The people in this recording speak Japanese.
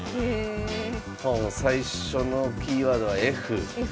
最初のキーワードはＦ。